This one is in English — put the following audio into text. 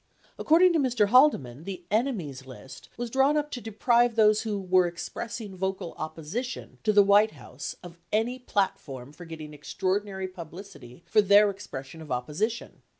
53 According to Mr. Haldeman, the "enemies list" was drawn up to deprive those "who were expressing vocal opposition" to the White House of any "platform for getting extraordinary publicity for their expression of opposition."